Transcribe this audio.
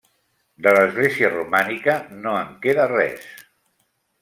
De l'església romànica, no en queda res.